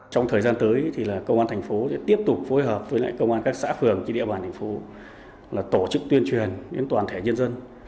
trong thời gian tới công an tp sẽ tiếp tục phối hợp với công an các xã phường trên địa bàn tp tổ chức tuyên truyền đến toàn thể nhân dân